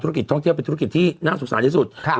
ธุรกิจท่องเที่ยวเป็นธุรกิจที่น่าสงสารที่สุด